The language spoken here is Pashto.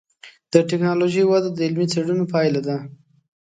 د ټکنالوجۍ وده د علمي څېړنو پایله ده.